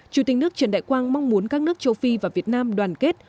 chủ tịch nước trần đại quang mong muốn các nước châu phi và việt nam đoàn kết